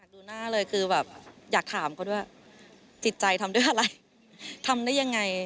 ดูหน้าเลยคือแบบอยากถามเขาด้วยจิตใจทำด้วยอะไรทำได้ยังไง